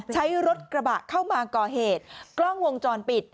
ใช้รถกระบะเข้ามาก่อเหตุกล้องวงจรปิด